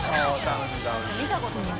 見たことない。